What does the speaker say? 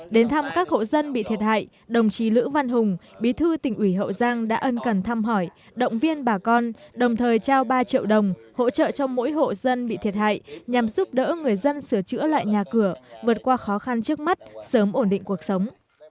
đến thăm các hộ dân bị thiệt hại đồng chí lữ văn hùng bí thư tỉnh ủy hậu giang đã ân cần thăm hỏi động viên bà con đồng thời trao ba triệu đồng hỗ trợ cho mỗi hộ dân bị thiệt hại nhằm giúp đỡ người dân sửa chữa lại nhà cửa vượt qua khó khăn trước mắt sớm ổn định cuộc sống